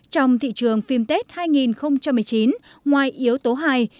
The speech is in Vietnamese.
trong thị trường phim tết hai nghìn một mươi chín ngoài yếu tố hai